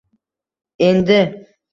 endi